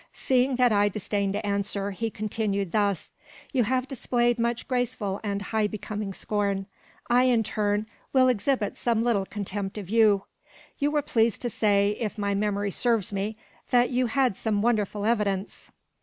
Seeing that I disdained to answer, he continued thus: "You have displayed much graceful and highly becoming scorn. I, in turn, will exhibit some little contempt of you. You were pleased to say, if my memory serves me, that you had some wonderful evidence.